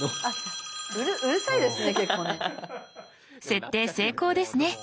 設定成功ですね。